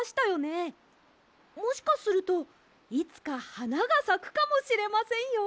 もしかするといつかはながさくかもしれませんよ！